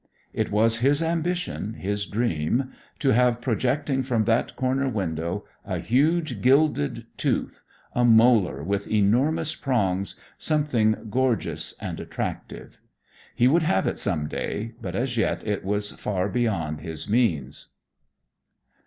It was his ambition, his dream, to have projecting from that corner window a huge gilded tooth, a molar with enormous prongs, something gorgeous and attractive. He would have it some day, but as yet it was far beyond his means."